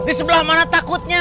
di sebelah mana takutnya